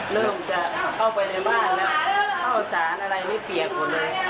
เริ่มจะเข้าไปในบ้านแล้วเข้าสารอะไรนี่เปียกหมดเลย